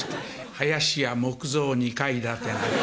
林家木造２階建て。